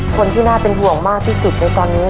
คนที่น่าเป็นห่วงมากที่สุดในตอนนี้